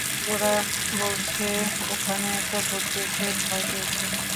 ওরা বলছে ওখানে একটা ভূত দেখে ভয় পেয়েছে।